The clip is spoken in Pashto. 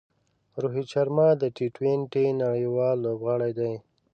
روهیت شرما د ټي ټوئنټي نړۍوال لوبغاړی دئ.